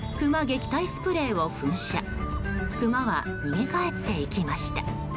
クマは逃げ帰っていきました。